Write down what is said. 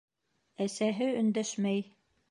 Әсәһе өндәшмәй.